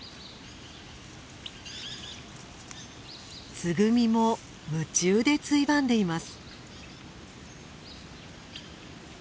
ツグミも夢中でついばんでいます。